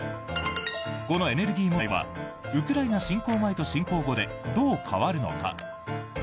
このエネルギー問題はウクライナ侵攻前と侵攻後でどう変わるのか。